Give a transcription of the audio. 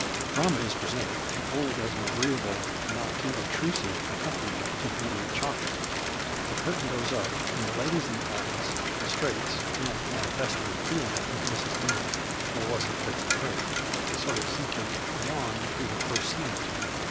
Drama is presented, but only as an agreeable, not too obtrusive, accom paniment to the eating of chocolate. The curtain goes up, and the ladies in the audience, distraites, and manifestly feeling with Mrs. Gamp (or was it Betsy Prig ?) a sort of sinking, yawn through the first scene or two.